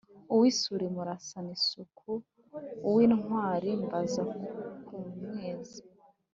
Uw'isuli murasana isuku, uw'intwali mbanza kumweza,